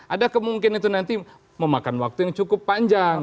ada kemungkinan itu nanti memakan waktu yang cukup panjang